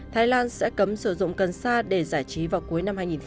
thái lan sẽ cấm sử dụng cần xa để giải trí vào cuối năm hai nghìn hai mươi hai